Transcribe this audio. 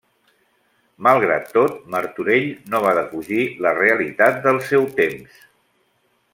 Malgrat tot, Martorell no va defugir la realitat del seu temps.